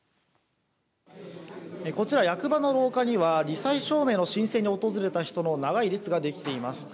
こちら役場の廊下にはり災証明の申請に訪れた人の長い列ができています。